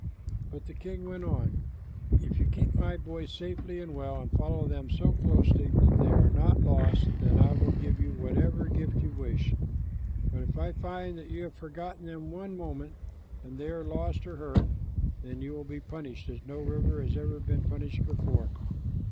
But the king went on, "If you keep my boys safely and well, and follow them so closely that they are not lost, then I will give you whatever gift you wish; but if I find that you have forgotten them one moment and they are lost or hurt, then you will be punished as no river was ever punished before."